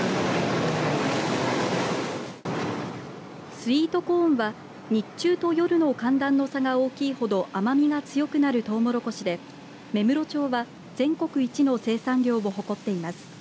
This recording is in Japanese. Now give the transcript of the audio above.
スイートコーンは日中と夜の寒暖差の差が大きい程甘みが強くなるとうもろこしで芽室町は全国一の生産量を誇っています。